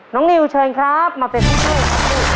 นิวเชิญครับมาเป็นผู้ช่วยครับ